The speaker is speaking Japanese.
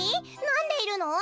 なんでいるの？